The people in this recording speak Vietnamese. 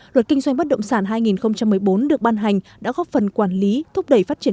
luật kinh doanh bất động sản hai nghìn một mươi bốn được ban hành đã góp phần quản lý thúc đẩy phát triển